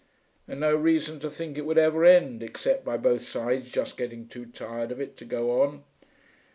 And no reason to think it would ever end, except by both sides just getting too tired of it to go on....